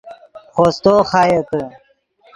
خوستو خایتے